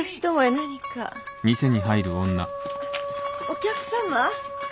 お客様。